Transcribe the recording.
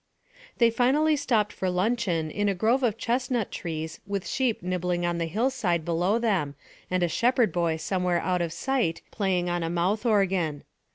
They finally stopped for luncheon in a grove of chestnut trees with sheep nibbling on the hill side below them and a shepherd boy somewhere out of sight playing on a mouth organ.